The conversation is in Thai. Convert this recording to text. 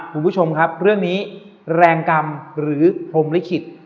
คุณผู้ชมครับเรื่องนี้แรงกรรมหรือพรมลิขิต